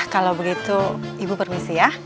kalau begitu ibu permisi ya